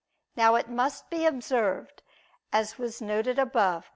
Now it must be observed, as was noted above (Q.